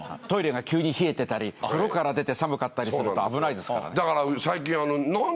トイレが急に冷えてたり風呂から出て寒かったりすると危ないですから。